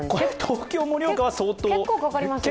東京−盛岡は相当。